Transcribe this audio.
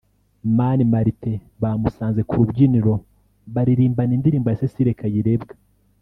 Mani Martin bamusanze ku rubyiniro baririmbana indirimbo ya Cecile Kayirebwa